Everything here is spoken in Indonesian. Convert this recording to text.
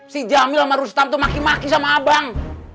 si jamil sama rustam itu maki maki sama abang